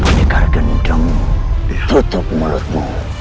menikah gendam tetap mulutmu